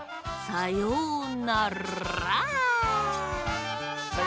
さようなら！